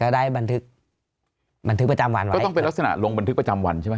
ได้บันทึกบันทึกประจำวันไว้ต้องเป็นลักษณะลงบันทึกประจำวันใช่ไหม